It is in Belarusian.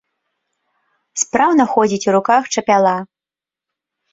Спраўна ходзіць у руках чапяла.